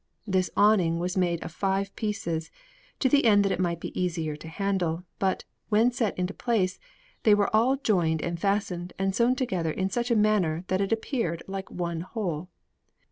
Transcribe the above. This awning was made of five pieces, to the end that it might be easier to handle, but, when set into place, they were all joined and fastened and sewn together in such a manner that it appeared like one whole.